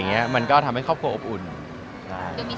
ช่วงนี้ค่ะช่วงนี้ออกงานนิดนึง